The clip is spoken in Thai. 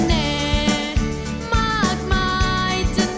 อยากจะได้แอบอิ่ง